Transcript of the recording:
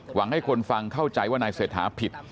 หวังให้คนฟังเข้าใจว่านายเศรษฐาผิด